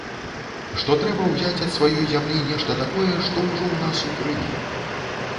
Што трэба ўзяць ад сваёй зямлі нешта такое, што ўжо ў нас у крыві.